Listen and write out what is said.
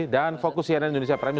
dan fokus cnn indonesia prime